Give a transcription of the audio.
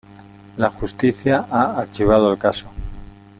La justicia ha archivado el caso.